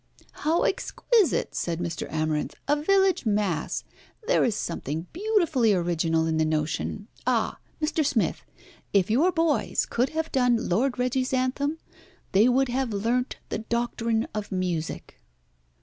"How exquisite!" said Amarinth. "A village mass. There is something beautifully original in the notion. Ah! Mr. Smith, if your boys could have done Lord Reggie's anthem they would have learnt the doctrine of music."